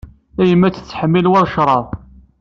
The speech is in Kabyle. Tayemmat tettḥemmil war ccerḍ.